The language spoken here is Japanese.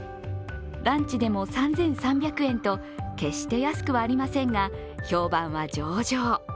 ランチでも３３００円と決して安くはありませんが、評判は上々。